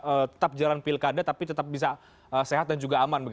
dan upaya untuk bisa tetap jalan pilkada tapi tetap bisa sehat dan juga aman